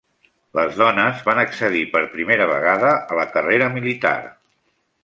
Les dones van accedir per primera vegada a la carrera militar.